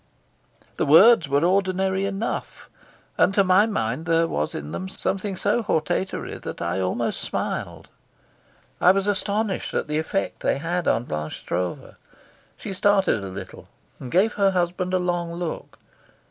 The words were ordinary enough, and to my mind there was in them something so hortatory that I almost smiled. I was astonished at the effect they had on Blanche Stroeve. She started a little, and gave her husband a long look.